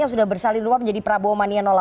yang sudah bersalin luar menjadi prabowo mania nolak